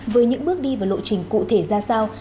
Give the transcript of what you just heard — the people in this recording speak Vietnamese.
với những bước đi và lộ trình cụ thể ra sao